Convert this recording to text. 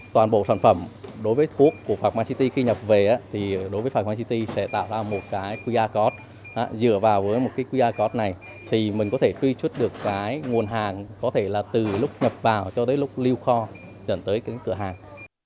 toàn bộ sản phẩm đối với thuốc của phạm man city khi nhập về thì đối với phạm quang city sẽ tạo ra một cái qr code dựa vào với một cái qr code này thì mình có thể truy xuất được cái nguồn hàng có thể là từ lúc nhập vào cho tới lúc lưu kho dẫn tới cái cửa hàng